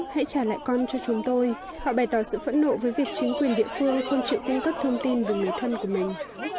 hãy trả lại con cho chúng tôi họ bày tỏ sự phẫn nộ với việc chính quyền địa phương không chịu cung cấp thông tin về người thân của mình